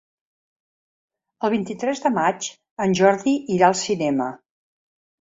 El vint-i-tres de maig en Jordi irà al cinema.